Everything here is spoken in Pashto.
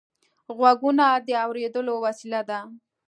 غوږونه د اورېدلو وسیله ده